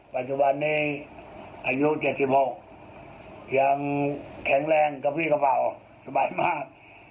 ปัจจุบันนี้อายุ๗๖ยังแข็งแรงกับพี่กระเป๋าสบายมาก